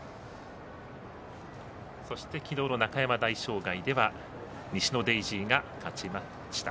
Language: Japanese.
そして昨日の中山大障害ではニシノデイジーが勝ちました。